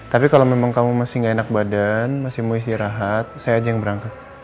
tapi kalau memang kamu masih nggak enak badan masih mau istirahat saya aja yang berangkat